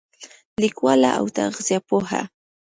لیکواله او تغذیه پوهه